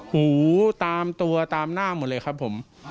หูตามตัวตามหน้าหมดเลยครับผม